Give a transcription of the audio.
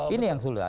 ini yang sudah